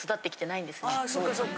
あそっかそっか。